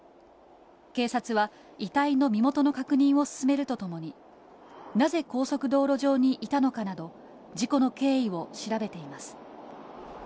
警察は、遺体の身元の確認を進めるとともに、なぜ高速道路上にいたのかなど、事故の経緯を調べています。